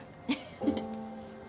フフフ。